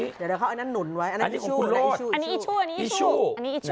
เดี๋ยวเขาเอานั้นหนุนไว้อันนี้ของคุณโลด